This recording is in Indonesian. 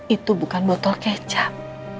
itu bukan botol kecap